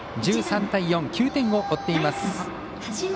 １３対４、９点を追っています。